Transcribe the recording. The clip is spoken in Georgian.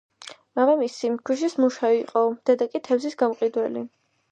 მამამისი ქვის მუშა იყო დედა კი თევზის გამყიდველი.